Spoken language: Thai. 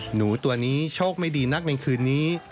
หนูตัวนี้โชคไม่ดีนักในคืนนี้